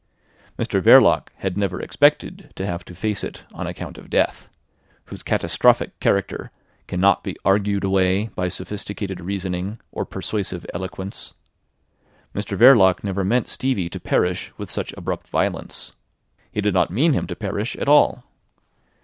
Mr Verloc had never expected to have to face it on account of death, whose catastrophic character cannot be argued away by sophisticated reasoning or persuasive eloquence. Mr Verloc never meant Stevie to perish with such abrupt violence. He did not mean him to perish at all.